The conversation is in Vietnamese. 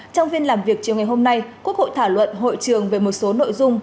trong phiên làm việc chiều ngày hôm nay quốc hội thảo luận hội trường về một số nội dung